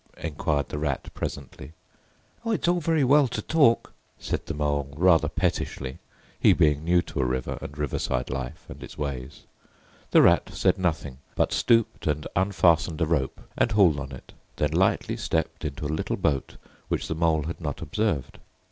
enquired the Rat presently. "Oh, its all very well to talk," said the Mole, rather pettishly, he being new to a river and riverside life and its ways. The Rat said nothing, but stooped and unfastened a rope and hauled on it; then lightly stepped into a little boat which the Mole had not observed.